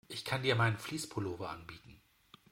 Ich kann dir meinen Fleece-Pullover anbieten.